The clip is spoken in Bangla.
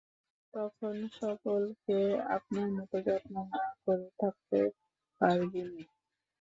তখন সকলকে আপনার মত যত্ন না করে থাকতে পারবিনি।